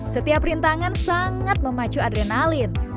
setiap rintangan sangat memacu adrenalin